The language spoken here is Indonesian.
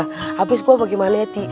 habis gua bagaimana ya ti